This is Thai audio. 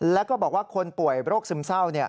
แล้วก็บอกว่าคนป่วยโรคซึมเศร้า